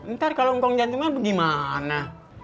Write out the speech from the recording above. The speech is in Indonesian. ntar kalau kong jantungan pergi mana